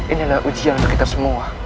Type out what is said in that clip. inilah ujian untuk kita semua